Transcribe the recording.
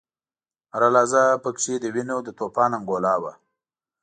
هره لحظه په کې د وینو د توپان انګولا وه.